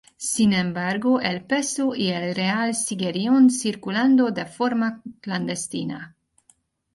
Sin embargo, el peso y el real siguieron circulando de forma clandestina.